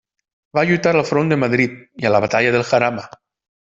Va lluitar al front de Madrid i a la batalla del Jarama.